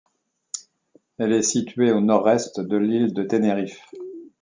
Elle est située au nord-est de l'île de Tenerife.